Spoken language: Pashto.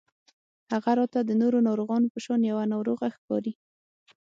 هغه راته د نورو ناروغانو په شان يوه ناروغه ښکاري